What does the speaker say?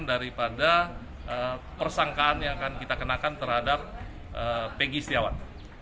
daripada persangkaan yang akan kita kenakan terhadap pegi setiawan